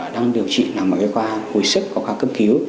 đang điều trị vào một cái khoa hồi sức khoa cấp cứu